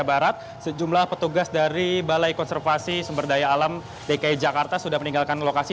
jawa barat sejumlah petugas dari balai konservasi sumber daya alam dki jakarta sudah meninggalkan lokasi